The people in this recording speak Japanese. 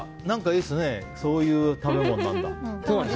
何か、いいですねそういう食べ物なんだ。